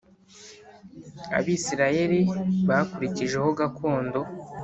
abisirayeli bakurikije gakondo